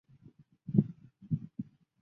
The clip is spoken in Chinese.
舍米耶。